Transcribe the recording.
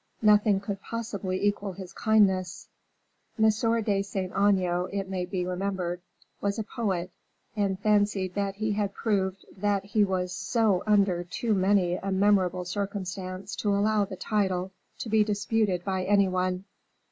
Nothing could possibly equal his kindness. M. de Saint Aignan, it may be remembered, was a poet, and fancied that he had proved that he was so under too many a memorable circumstance to allow the title to be disputed by any one.